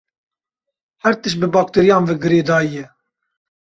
Her tişt bi bakteriyan ve girêdayî ye.